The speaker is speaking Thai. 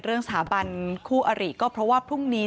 เรื่องสถาบันคู่อริก็เพราะว่าพรุ่งนี้